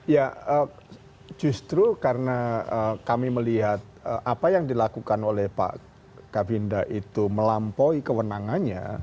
ya justru karena kami melihat apa yang dilakukan oleh pak kabinda itu melampaui kewenangannya